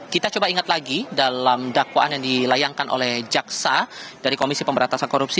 kita coba ingat lagi dalam dakwaan yang dilayangkan oleh jaksa dari komisi pemberantasan korupsi